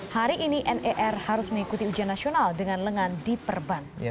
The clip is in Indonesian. hari ini ner harus mengikuti ujian nasional dengan lengan di perban